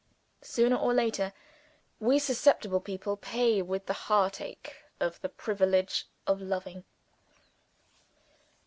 Sooner or later, we susceptible people pay with the heartache for the privilege of loving.